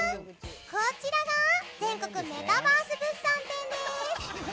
こちらが「全国メタバース物産展」です！